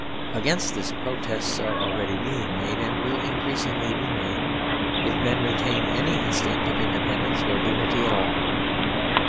Against this protests are already being made, and will increasingly be made, if men retain any instinct of independence or dignity at all.